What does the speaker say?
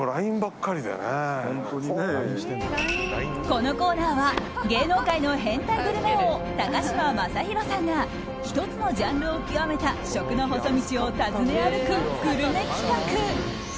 このコーナーは芸能界の変態グルメ王高嶋政宏さんが１つのジャンルを極めた食の細道を訪ね歩くグルメ企画。